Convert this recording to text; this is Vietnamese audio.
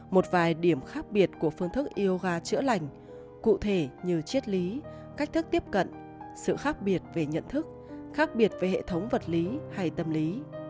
một vài điểm khác biệt của phương thức yoga chữa lành cụ thể như chiết lý cách thức tiếp cận sự khác biệt về nhận thức khác biệt về hệ thống vật lý hay tâm lý